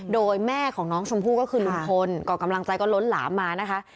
โดยแม่ของน้องชมพู่ก็คือลุงพลก็กำลังใจก็ล้นหลามมานะคะ